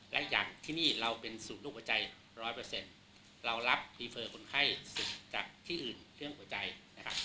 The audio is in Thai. และอย่างที่นี่เราเป็นสูตรโรคหัวใจร้อยเปอร์เซ็นต์เรารับพรีเฟอร์คนไข้จากที่อื่นเครื่องหัวใจนะครับ